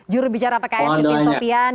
jurubicara pks dmitri sopyan